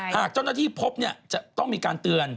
หากเจ้าหน้าที่พบจะต้องมีการเตือน